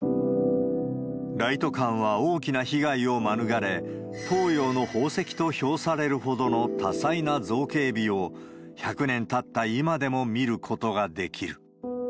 ライト館は大きな被害を免れ、東洋の宝石と評されるほどの多彩な造形美を、１００年たった今でも見ることができる。